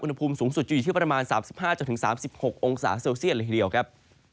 อุณหภูมิสูงสุดจะอยู่ที่ประมาณ๓๕๓๖องศาเซลเซียตเลยทีเดียวครับ